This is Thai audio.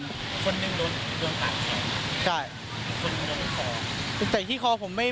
คนหนึ่งโดนขาดแขนคนหนึ่งโดนขอ